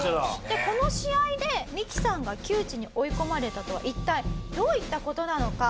この試合でミキさんが窮地に追い込まれたとは一体どういった事なのか？